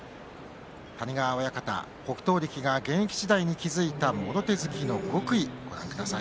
谷川親方、北勝力が現役時代に築いたもろ手突きの極意ご覧ください。